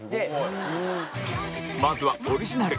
まずはオリジナル